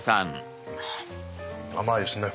甘いですね。